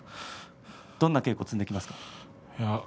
どんな稽古を積んできますか？